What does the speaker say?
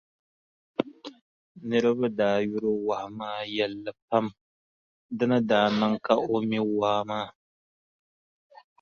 Niriba daa yuri wahu maa yɛlli pam di ni daa niŋ ka o mi waa maa.